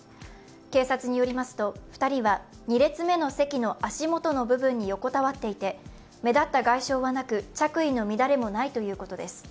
警察によりますと、２人は２列目の席の足元の部分に横たわっていて目立った外傷はなく着衣の乱れもないということです。